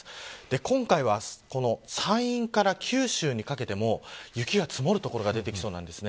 今回は山陰から九州にかけても雪が積もる所が出てきそうなんですね。